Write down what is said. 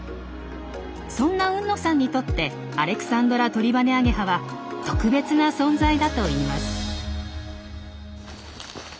そんな海野さんにとってアレクサンドラトリバネアゲハは特別な存在だといいます。